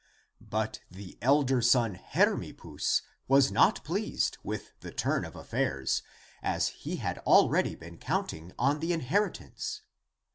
But the elder son Her mippus was not pleased with the turn of affairs, as he had already been counting on the inheritance.